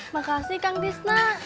makasih kang bisna